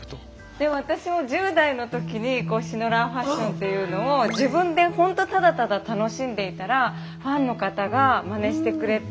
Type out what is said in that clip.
でも私も１０代の時にシノラーファッションというのを自分でほんとただただ楽しんでいたらファンの方がまねしてくれて。